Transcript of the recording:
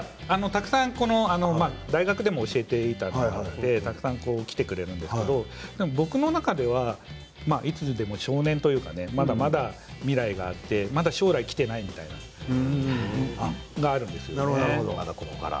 大学でも教えていたのでたくさん来てくれるんですけれど僕の中ではいつでも少年というかまだまだ未来があってまだ将来きていないみたいなのがまだここから。